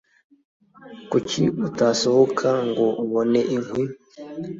Kuki utasohoka ngo ubone inkwi